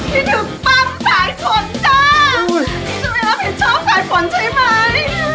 ไปดูปั๊มสายฝนจ้าพี่จะไม่รับผิดชอบสายฝนใช่ไหม